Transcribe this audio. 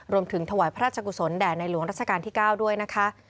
รวมถึงถวายพระราชกุศลแด่ในหลวงรัชกาลที่๙ด้วยนะคะ